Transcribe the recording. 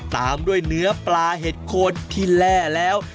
ตามด้วยเนื้อปลาเห็ดโคนที่แร่แล้ว